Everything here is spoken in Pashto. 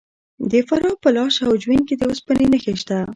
د فراه په لاش او جوین کې د وسپنې نښې شته.